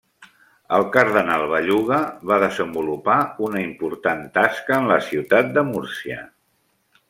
El Cardenal Belluga va desenvolupar una important tasca en la ciutat de Múrcia.